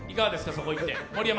そこ行って。